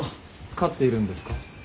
飼っているんですか？